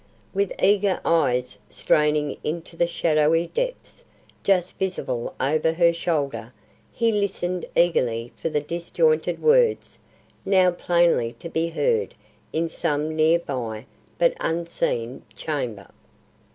With eager eyes straining into the shadowy depths just visible over her shoulder, he listened eagerly for the disjointed words now plainly to be heard in some near by but unseen chamber.